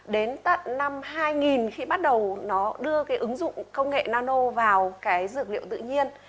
đến tận năm hai nghìn khi bắt đầu nó đưa cái ứng dụng công nghệ nano vào cái dược liệu tự nhiên